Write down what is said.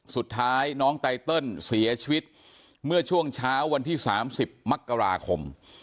สุดท้ายน้องไตเติลเสียชีวิตเมื่อช่วงเช้าวันที่๓๐มกราคม